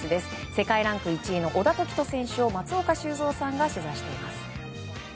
世界ランク１位の小田凱人選手を松岡修造さんが取材しています。